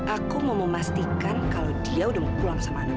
aku mau memastikan kalau dia udah mau pulang sama anaknya itu